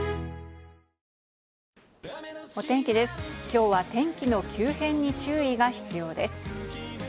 今日は天気の急変に注意が必要です。